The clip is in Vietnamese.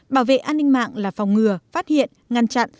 bảo vệ an ninh mạng là phòng ngừa phát hiện ngăn chặn